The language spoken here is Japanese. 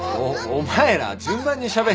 お前ら順番にしゃべれよ。